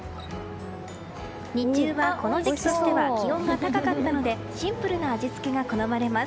日中は、この時期としては気温が高かったのでシンプルな味付けが好まれます。